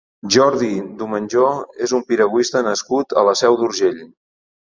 Jordi Domenjó és un piragüista nascut a la Seu d'Urgell.